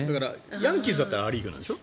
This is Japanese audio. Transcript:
ヤンキースだったらア・リーグなんでしょ。